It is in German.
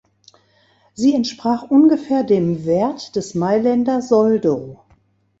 Sie entsprach ungefähr dem Wert des Mailänder Soldo.